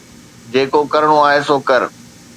جيڪو ڪرڻو آهي سو ڪر